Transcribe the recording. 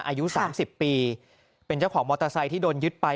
อายุ๓๐ปีเป็นเจ้าของมอเตอร์ไซค์ที่โดนยึดไป